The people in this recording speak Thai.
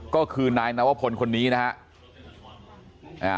ก็คือนายนวพลคนนี้นะครับ